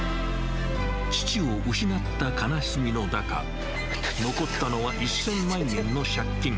父を失った悲しみの中、残ったのは１０００万円の借金。